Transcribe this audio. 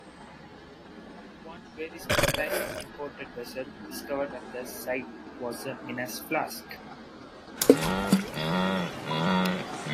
One very specialised imported vessel discovered at the site was a Menas flask.